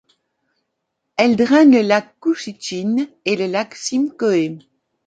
Elle draine le lac Couchiching et le lac Simcoe.